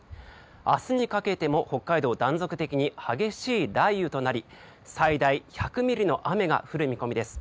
明日にかけても北海道断続的に激しい雷雨となり最大１００ミリの雨が降る見込みです。